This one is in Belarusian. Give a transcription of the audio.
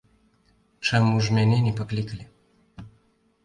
Чаму ж мяне не паклікалі?